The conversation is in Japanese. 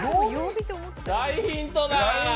◆大ヒントだ。